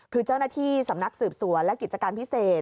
คือเจ้าหน้าที่สำนักสืบสวนและกิจการพิเศษ